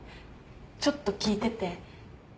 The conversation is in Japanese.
ちょっと聞いてて。